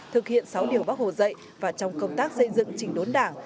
thực hiện sáu điều bác hồ dạy và trong công tác xây dựng trình đốn đảng